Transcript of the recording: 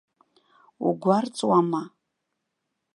Угәарҵуама?